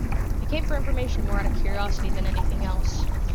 I came for information more out of curiosity than anything else.